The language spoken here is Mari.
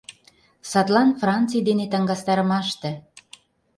Садлан, Франций дене таҥастарымаште.